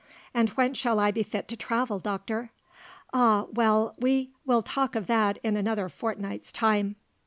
"And when shall I be fit to travel, doctor?" "Ah, well, we will talk of that in another fortnight's time.